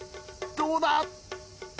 どうだ！